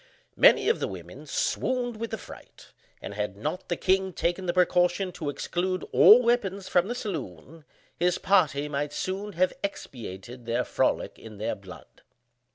Many of the women swooned with affright; and had not the king taken the precaution to exclude all weapons from the saloon, his party might soon have expiated their frolic in their blood.